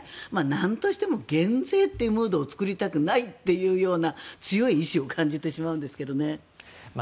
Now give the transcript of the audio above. なんとしても減税というムードを作りたくないという強い意思を感じてしまうんですけどね。